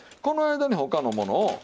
この間に他のものを。